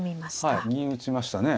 はい銀打ちましたね。